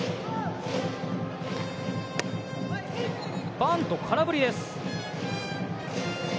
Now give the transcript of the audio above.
バント、空振りです。